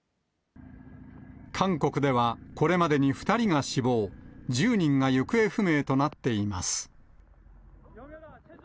韓国ではこれまでに２人が死亡、１０人が行方不明となっています。